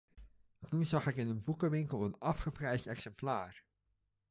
Toen zag ik in een boekenwinkel een afgeprijsd exemplaar.